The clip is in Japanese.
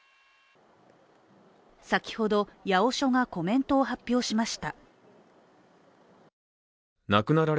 先ほど、八尾署がコメントを発表しました。